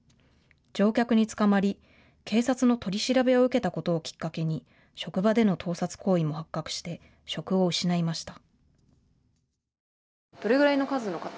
乗客に捕まり警察の取り調べを受けたことをきっかけに職場での盗撮行為も発覚して職を失いました。